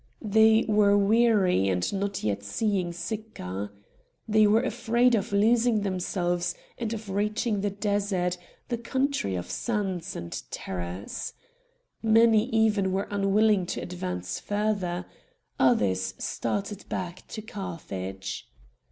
They were weary at not yet seeing Sicca. They were afraid of losing themselves and of reaching the desert, the country of sands and terrors. Many even were unwilling to advance further. Others started back to Carthage.